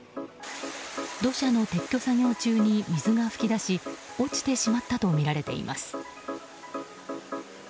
土砂の撤去作業中に水が噴き出し落ちてしまったとみられています。